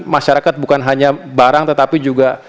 masyarakat bukan hanya barang tetapi juga